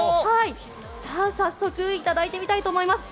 早速いただいてみたいと思います。